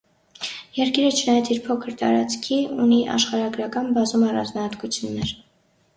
Երկիրը, չնայած իր փոքր տարածքի, ունի աշխարհագրական բազում առանձնահատկություններ։